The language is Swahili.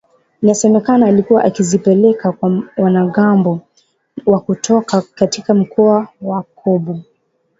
inasemekana alikuwa akizipeleka kwa wanamgambo wa kutoka katika mkoa wa Kobu